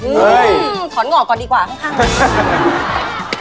อืมถอนหงอกก่อนดีกว่าข้าง